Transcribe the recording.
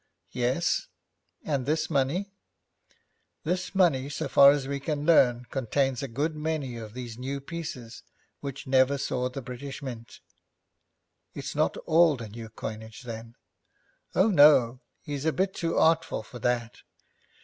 'Yes, and this money?' 'This money, so far as we can learn, contains a good many of these new pieces which never saw the British Mint.' 'It's not all the new coinage, then?' 'Oh, no, he's a bit too artful for that.